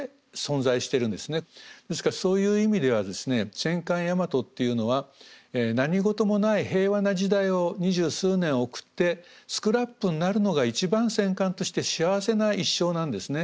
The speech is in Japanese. ですからそういう意味ではですね戦艦大和っていうのは何事もない平和な時代を二十数年送ってスクラップになるのが一番戦艦として幸せな一生なんですね。